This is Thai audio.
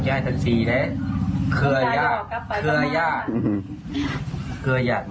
มันถูกข่าว